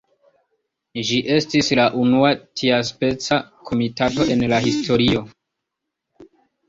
Ĝi estis la unua tiaspeca komitato en la historio.